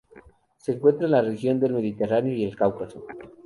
Se encuentra en la región del Mediterráneo y el Cáucaso.